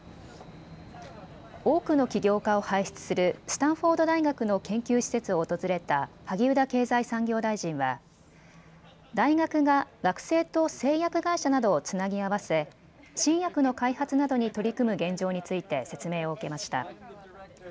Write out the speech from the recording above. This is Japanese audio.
多くの起業家を輩出するスタンフォード大学の研究施設を訪れた萩生田経済産業大臣は大学が学生と製薬会社などをつなぎ合わせ新薬の開発などに取り組む現状について説明を受けました。